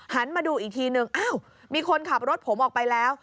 มาดูอีกทีนึงอ้าวมีคนขับรถผมออกไปแล้ว